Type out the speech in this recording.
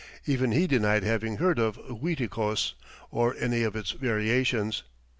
Even he denied having heard of "Uiticos" or any of its variations.